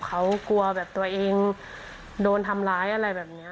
เขากลัวแบบตัวเองโดนทำร้ายอะไรแบบนี้